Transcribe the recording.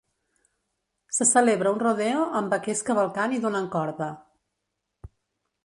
Se celebra un rodeo amb vaquers cavalcant i donant corda.